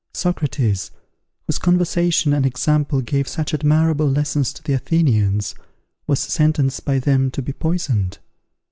Socrates, whose conversation and example gave such admirable lessons to the Athenians, was sentenced by them to be poisoned.